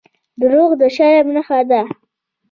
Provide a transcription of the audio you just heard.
• دروغ د شرم نښه ده.